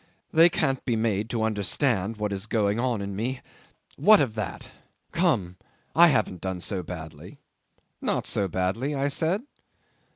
They can't be made to understand what is going on in me. What of that? Come! I haven't done so badly." '"Not so badly," I said.